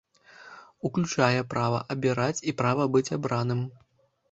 Уключае права абіраць і права быць абраным.